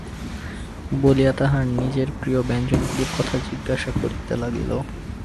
বলিয়া তাহার নিজের প্রিয় ব্যঞ্জনগুলির কথা জিজ্ঞাসা করিতে লাগিল।